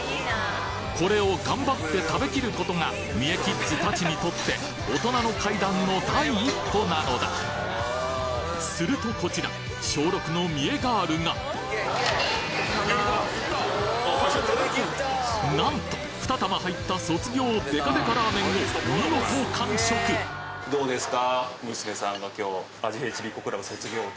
これを頑張って食べ切る事が三重キッズたちにとって大人の階段の第一歩なのだするとこちら何と２玉入った卒業デカデカラーメンを見事どうですか？